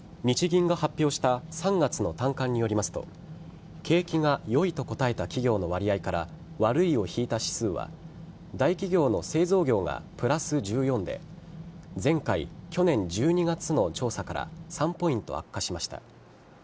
日銀が発表した３月の短観によりますと景気が良いと答えた企業の割合から悪いを引いた指数は大企業の製造業がプラス１４で前回、去年１２月の調査から３ポイント悪化しました。